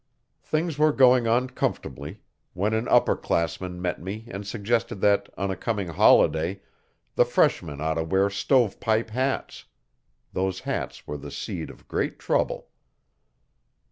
Things were going on comfortably when an upper classman met me and suggested that on a coming holiday, the Freshmen ought to wear stove pipe hats. Those hats were the seed of great trouble.